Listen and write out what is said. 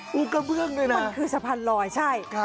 มันคือสะพานลอยใช่